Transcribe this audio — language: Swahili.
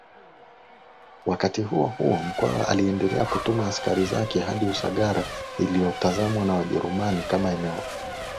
Wakati huohuo Mkwawa aliendelea kutuma askari zake hadi Usagara iliyotazamwa na Wajerumani kama eneo